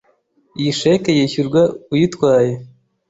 Iyi cheque yishyurwa uyitwaye.